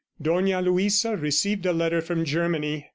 Dona Luisa received a letter from Germany.